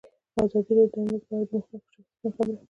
ازادي راډیو د امنیت په اړه د مخکښو شخصیتونو خبرې خپرې کړي.